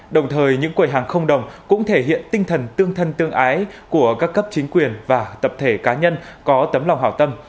đồng thời những quầy hàng không đồng cũng thể hiện tinh thần tương thân tương ái của các cấp chính quyền và tập thể cá nhân có tấm lòng hảo tâm